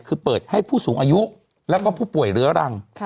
คือเปิดให้ผู้สูงอายุแล้วก็ผู้ป่วยเรื้อรัง